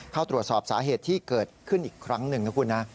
เข้าตรวจสอบสาเหตุที่เกิดขึ้นอีกครั้งหนึ่งนะคุณนะ